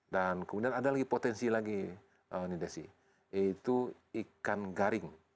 dan kemudian ada lagi potensi lagi nidasy yaitu ikan garing